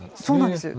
そうなんです。